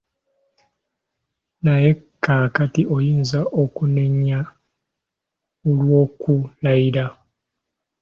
Naye kaakati oyinza okunnenya olw’okulayira?